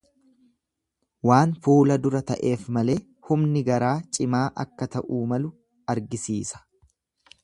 Waan fuula dura ta'eef malee humni garaa cimaa akka ta'uu malu argisiisa.